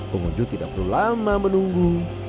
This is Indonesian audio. pengunjung tidak perlu lama menunggu